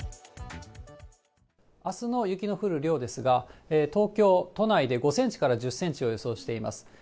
あすの雪の降る量ですが、東京都内で５センチから１０センチを予想しています。